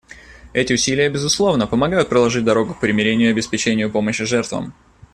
Эти усилия, безусловно, помогают проложить дорогу к примирению и обеспечению помощи жертвам.